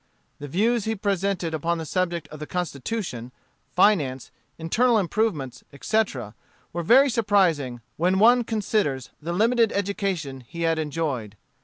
The views he presented upon the subject of the Constitution, finance, internal improvements, etc., were very surprising, when one considers the limited education he had enjoyed.